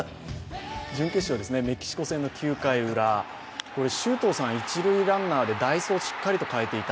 準決勝ですね、メキシコ戦の９回ウラ、周東さん、一塁ランナーで代走をしっかり代えていた。